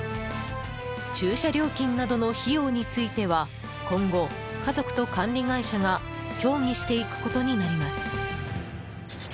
駐車料金などの費用については今後、家族と管理会社が協議していくことになります。